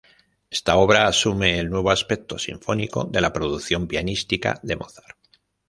Esta obra asume el nuevo aspecto sinfónico de la producción pianística de Mozart.